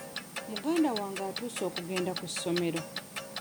Muganda wange atuuse okugenda ku ssomero.